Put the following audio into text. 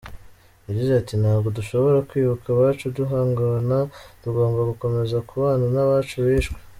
Yagize ati”Ntabwo dushobora kwibuka abacu duhungabana, tugomba gukomeza kubana n’abacu bishwe.